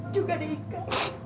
juga deh ika